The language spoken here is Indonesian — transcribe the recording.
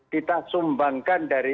kita sumbangkan dari